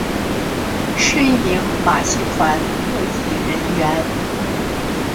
是一名马戏团特技人员。